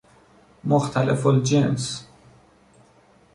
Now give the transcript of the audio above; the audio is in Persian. مختلف الجنس